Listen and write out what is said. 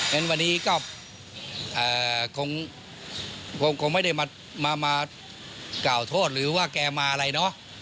ฉะนั้นวันนี้ก็คงไม่ได้มากล่าวโทษหรือว่าแกมาอะไรเนาะ